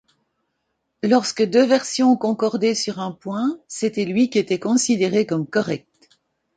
Lorsque deux versions concordaient sur un point, c'était lui qui était considéré comme correct.